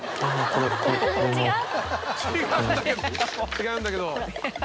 「違うんだけど」。